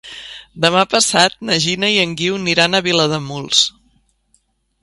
Demà passat na Gina i en Guiu aniran a Vilademuls.